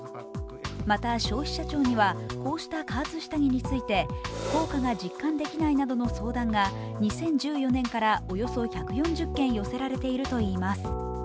また消費者庁には、こうした加圧下着について効果が実感できないなどの相談が２０１４年からおよそ１４０件寄せられているといいます。